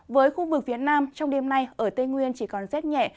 với khu vực phía nam trong đêm nay ở tây nguyên chỉ còn rét nhẹ